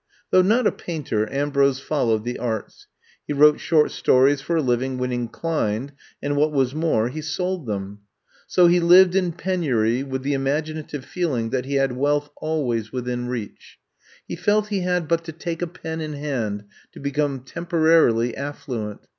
Though not a painter, Ambrose followed the arts. He wrote short stories for a liv ing when inclined, and what was more, he sold them. So he lived in penury with the 10 I'VE COME TO STAY imaginative feeling that he had wealth al ways within reach. He felt he had but to take a pen in hand to become temporarily aflBuent.